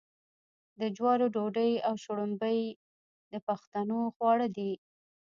د جوارو ډوډۍ او شړومبې د پښتنو خواړه دي.